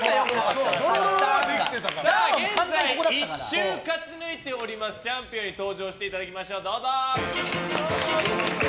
現在、１週勝ち抜いておりますチャンピオンに登場していただきましょう！